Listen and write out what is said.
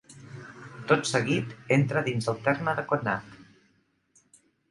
Tot seguit, entra dins del terme de Conat.